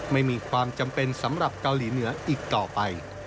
ไม่มีความจำเป็นสำหรับเกาหลีเหนืออีกต่อไป